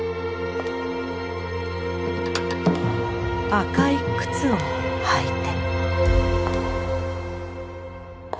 赤い靴を履いて。